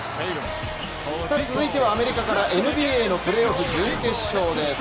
続いてはアメリカからＮＢＡのプレーオフ準決勝です。